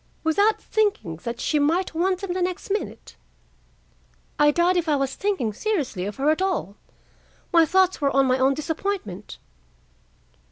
"Without thinking that she might want them the next minute?" "I doubt if I was thinking seriously of her at all. My thoughts were on my own disappointment."